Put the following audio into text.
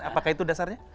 apakah itu dasarnya